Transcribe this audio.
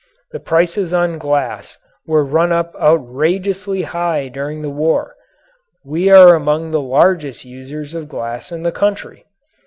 The prices on glass were run up outrageously high during the war; we are among the largest users of glass in the country.